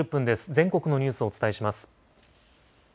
全国のニュースをお伝えします。